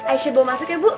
aisyah bawa masuk ya bu